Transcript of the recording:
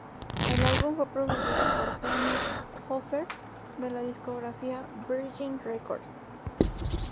El álbum fue producido por Tony Hoffer de la discográfica Virgin Records.